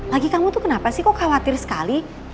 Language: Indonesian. lagi kamu tuh kenapa sih kok khawatir sekali